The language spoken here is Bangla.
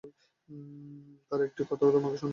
তার একটি কথা তোমাকে শুনাচ্ছি।